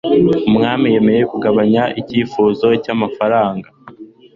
umwami yemeye kugabanya icyifuzo cyamafaranga